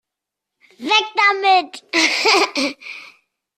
Weg damit!